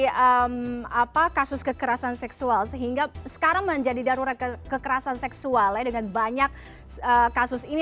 jadi kasus kekerasan seksual sehingga sekarang menjadi darurat kekerasan seksual dengan banyak kasus ini